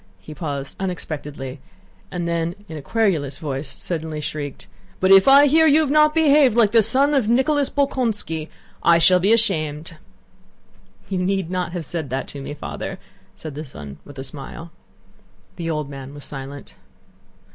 he paused unexpectedly, and then in a querulous voice suddenly shrieked: "but if I hear that you have not behaved like a son of Nicholas Bolkónski, I shall be ashamed!" "You need not have said that to me, Father," said the son with a smile. The old man was silent.